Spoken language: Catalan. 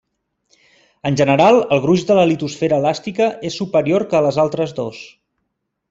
En general el gruix de la litosfera elàstica és superior que les altres dos.